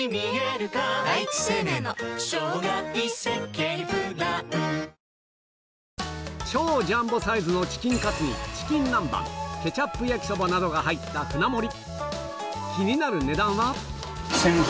キッコーマン超ジャンボサイズのチキンカツにチキン南蛮ケチャップ焼きそばなどが入った舟盛り